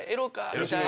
みたいな。